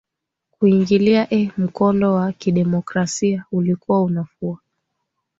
kuingilia ee mkondo wa kidemokrasia ulikuwa unafua